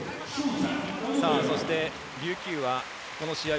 そして琉球はこの試合